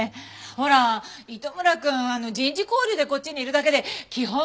ほら糸村くん人事交流でこっちにいるだけで基本